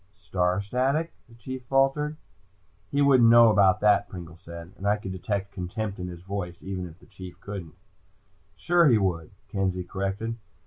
"Star static?" the Chief faltered. "He wouldn't know about that," Pringle said, and I could detect contempt in his voice, even if the Chief didn't. "Sure he would," Kenzie corrected.